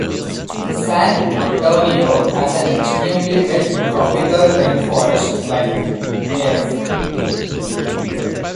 San Antonio has an extremely wet tropical rainforest climate (Af).